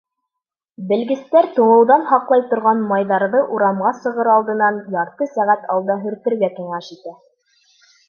Белгестәр туңыуҙан һаҡлай торған майҙарҙы урамға сығыр алдынан ярты сәғәт алда һөртөргә кәңәш итә.